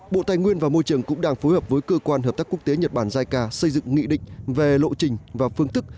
bộ tài nguyên và môi trường cũng đang phối hợp với cơ quan hợp tác quốc tế nhật bản jica xây dựng nghị định về lộ trình và phương thức